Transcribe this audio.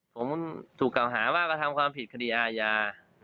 ผมถูกกล่าวหาว่ากระทำความผิดคดีอาญา